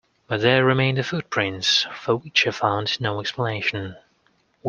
But there remain the footprints, for which I found no explanation.